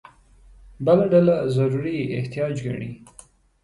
بله ډله ضروري احتیاج ګڼي.